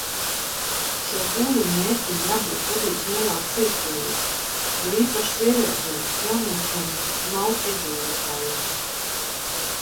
Šo pūliņu mērķim jābūt radīt lielākas iespējas, jo īpaši sievietēm, jauniešiem un lauku iedzīvotājiem.